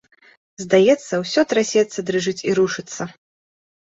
Здаецца, усё трасецца, дрыжыць і рушыцца.